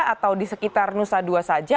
atau di sekitar nusa dua saja